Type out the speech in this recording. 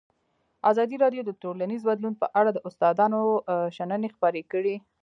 ازادي راډیو د ټولنیز بدلون په اړه د استادانو شننې خپرې کړي.